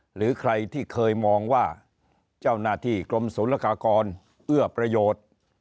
หรือใครที่เคยมองว่าเจ้าหน้าที่กรมศูนย์ละกากรเอื้อประโยชน์